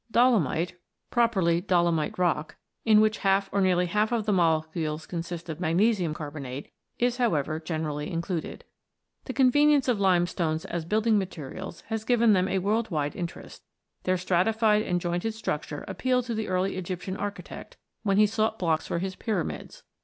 Dolomite (properly Dolomite rock), in which half or nearly half the molecules consist of magnesium carbonate, is, however, generally included. The convenience of limestones as building materials has given them a world wide interest. Their stratified and jointed structure appealed to the early Egyptian architect, when he sought blocks for his pyramids.